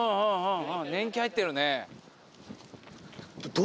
年季入ってるね。